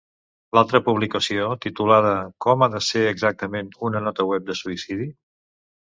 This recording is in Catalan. L"altra publicació, titulada Com ha de ser exactament una nota web de suïcidi?